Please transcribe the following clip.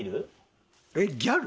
えっギャル？